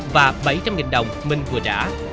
và bảy trăm linh đồng minh vừa trả